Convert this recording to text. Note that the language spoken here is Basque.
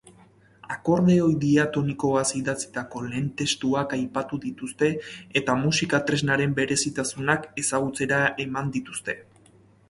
Akordeoi diatonikoaz idatzitako lehen testuak aipatu dituzte eta musika-tresnaren berezitasunak ezagutzera eman dituzte.